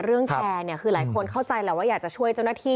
เรื่องแชร์คือหลายคนเข้าใจแล้วว่าอยากจะช่วยเจ้าหน้าที่